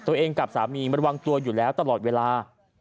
ตัวเองกับสามีมาระวังตัวอยู่แล้วตลอดเวลา